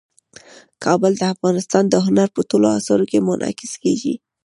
کابل د افغانستان د هنر په ټولو اثارو کې منعکس کېږي.